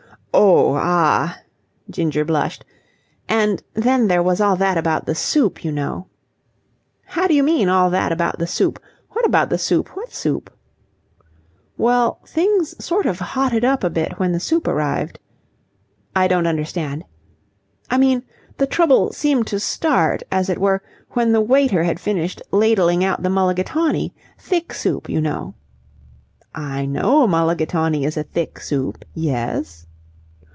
"Oh, ah!" Ginger blushed. "And then there was all that about the soup, you know." "How do you mean, 'all that about the soup'? What about the soup? What soup?" "Well, things sort of hotted up a bit when the soup arrived." "I don't understand." "I mean, the trouble seemed to start, as it were, when the waiter had finished ladling out the mulligatawny. Thick soup, you know." "I know mulligatawny is a thick soup. Yes?"